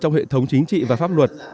trong hệ thống chính trị và pháp luật